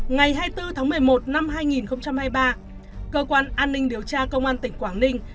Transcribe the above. ngày hai mươi bốn tháng một mươi một năm hai nghìn hai mươi ba cơ quan an ninh điều tra công an tỉnh quảng ninh